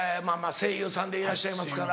声優さんでいらっしゃいますから。